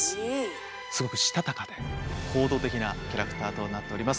すごくしたたかで行動的なキャラクターとなっております。